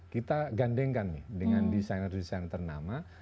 kita gandenkan nih dengan desainer desainer ternama